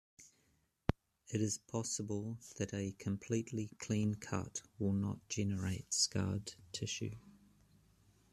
It is possible that a completely clean cut will not generate scarred tissue.